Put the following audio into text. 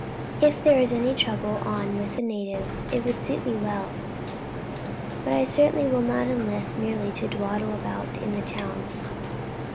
If there is any trouble on with the natives it would suit me well, but I certainly will not enlist merely to dawdle about in the towns.